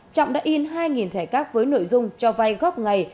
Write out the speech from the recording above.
trọng đã in hai thẻ các với nội dung cho vay góp ngày